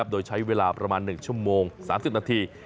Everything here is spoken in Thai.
โดยใช้เวลาประมาณ๑ชั่วโมง๓๐นาที